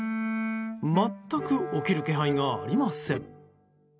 全く起きる気配がありません。